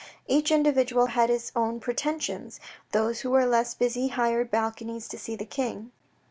Each individual had his own pretensions; those who were less busy hired balconies to see the King.